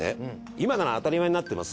今なら当たり前になっています